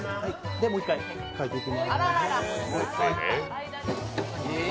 で、もう一回、かいていきます。